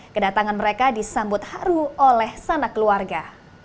kedatangan mereka disambut haru oleh sanak keluarga